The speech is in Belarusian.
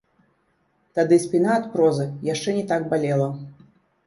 Тады спіна ад прозы яшчэ не так балела.